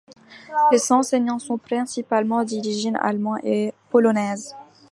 Les enseignants sont principalement d'origine allemande et polonaise.